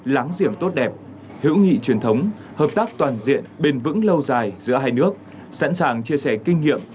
láng giềng tốt đẹp hữu nghị truyền thống hợp tác toàn diện bền vững lâu dài giữa hai nước sẵn sàng chia sẻ kinh nghiệm